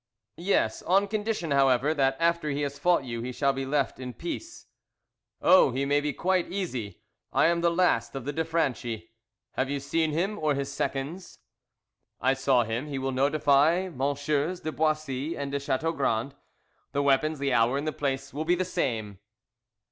"Yes, on condition, however, that after he has fought you he shall be left in peace." "Oh, he may be quite easy; I am the last of the de Franchi. Have you seen him, or his seconds?" "I saw him; he will notify MM. de Boissy and de Chateaugrand. The weapons, the hour and the place will be the same."